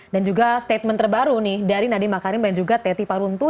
dan juga statement terbaru nih dari nadiemah karim dan juga teti paruntu